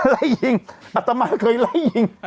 ไล่ยิงอัตมาเคยไล่ยิง